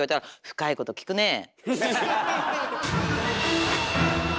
深いこと聞くねぇ